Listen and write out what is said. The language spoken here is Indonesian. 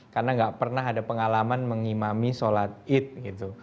karena nggak pernah ada pengalaman mengimami salat id